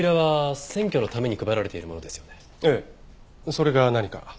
それが何か？